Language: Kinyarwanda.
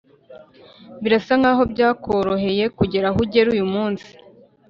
birasa n’aho byakoroheye kugera aho ugeze uyu munsi